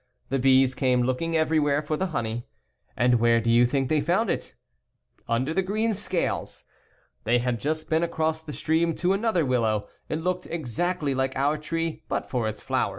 The bees came looking everywhere for the honey. And where do you think they found it? Under the green scales. They had just been across the stream to another willow. It looked exactly like our tree but for its flowers.